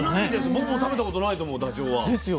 僕も食べたことないと思うダチョウは。ですよね。